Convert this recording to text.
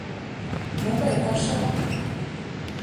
— Могай пашам?